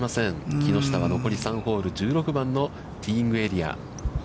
木下は残り３ホール、１６番のティーイングエリア。